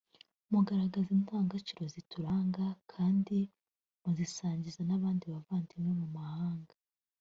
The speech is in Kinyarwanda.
mugaragaza indangagaciro zituranga kandi muzisangiza n’abandi bavandimwe mu mahanga